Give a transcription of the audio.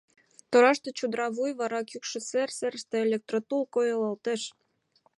Тораште чодыра вуй, вара кӱкшӧ сер, серыште электротул койылалтыш.